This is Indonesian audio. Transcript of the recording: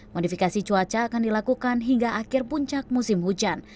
modifikasi cuaca akan dilakukan hingga akhir puncak musim hujan